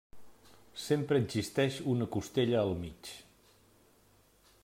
Sempre existeix una costella al mig.